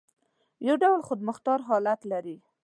یو ډول خودمختار حالت لري.